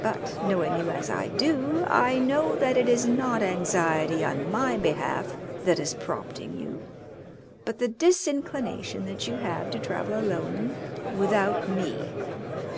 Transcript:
But knowing you as I do, I know that it is not anxiety on my behalf that is prompting you, but the disinclination that you have to travel alone without me.